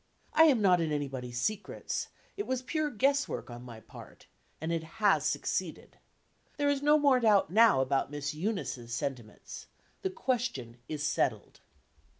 I am not in anybody's secrets; it was pure guesswork on my part, and it has succeeded. There is no more doubt now about Miss Eunice's sentiments. The question is settled."